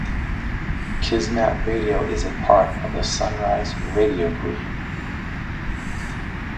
Kismat Radio is a part of the Sunrise Radio Group.